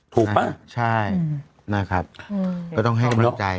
ป่ะใช่นะครับก็ต้องให้กำลังใจ